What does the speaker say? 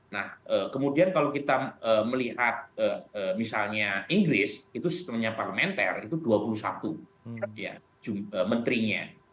nah kemudian kalau kita melihat misalnya inggris itu sistemnya parlementer itu dua puluh satu menterinya